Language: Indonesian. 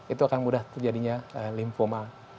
itu akan mudah terjadinya lymphoma